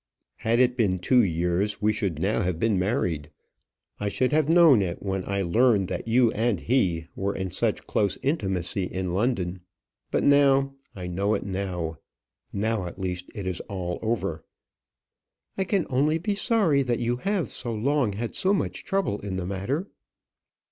"Had it been two years, we should now have been married. I should have known it when I learned that you and he were in such close intimacy in London. But now I know it now. Now at least it is all over." "I can only be sorry that you have so long had so much trouble in the matter."